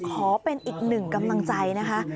ขอเป็นอีกหนึ่งกำลังใจนะคะ